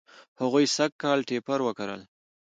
هغوی سږ کال ټیپر و کرل.